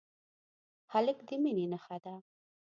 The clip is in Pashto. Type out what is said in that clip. هلک د مینې نښه ده.